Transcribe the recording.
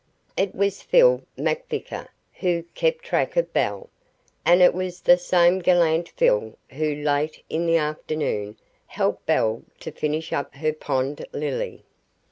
It was Phil MacVicker who "kept track" of Belle, and it was the same gallant Phil, who, late in the afternoon, helped Belle to finish up her pond lily.